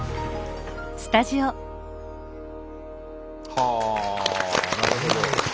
はあなるほど。